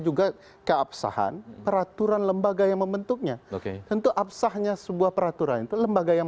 juga keabsahan peraturan lembaga yang membentuknya tentu absahnya sebuah peraturan itu lembaga yang